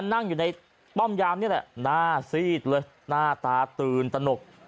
นั่งอยู่ในป้อมยามนี่แหละหน้าซีดเลยหน้าตาตื่นตนก